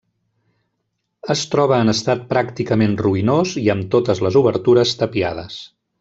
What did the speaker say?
Es troba en estat pràcticament ruïnós i amb totes les obertures tapiades.